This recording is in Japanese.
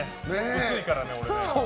薄いからね、俺。